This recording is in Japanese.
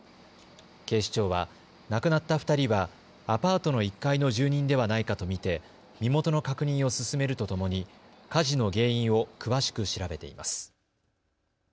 警視庁は亡くなった２人はアパートの１階の住人ではないかと見て身元の確認を進めるとともに火事の原因を詳しく調べています。